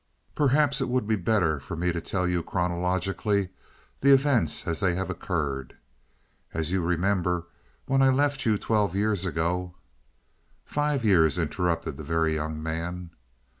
"Perhaps it would be better for me to tell you chronologically the events as they have occurred. As you remember when I left you twelve years ago " "Five years," interrupted the Very Young Man.